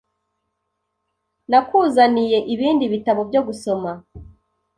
Nakuzaniye ibindi bitabo byo gusoma.